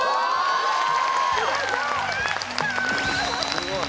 ・すごい！